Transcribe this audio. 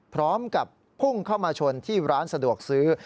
พร้อมกับพุ่งเข้ามาชนที่ร้านสะดวกซื้อ